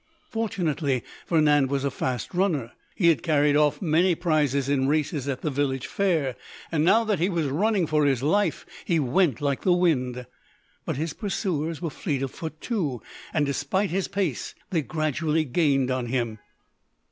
Fortunately Vernand was a fast runner he had carried off many prizes in races at the village fair and now that he was running for his life, he went like the wind. But his pursuers were fleet of foot, too, and, despite his pace, they gradually gained on him.